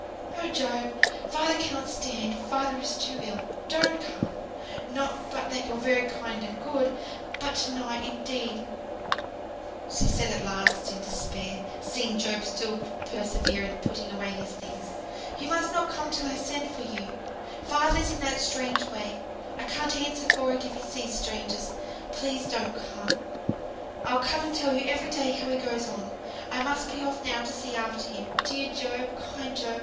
"Oh, Job! father cannot stand father is too ill. Don't come; not but that you're very kind and good; but to night indeed," said she at last, in despair, seeing Job still persevere in putting away his things; "you must not come till I send or come for you. Father's in that strange way, I can't answer for it if he sees strangers. Please don't come. I'll come and tell you every day how he goes on. I must be off now to see after him. Dear Job! kind Job!